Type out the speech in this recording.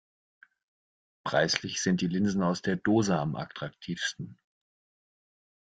Preislich sind die Linsen aus der Dose am attraktivsten.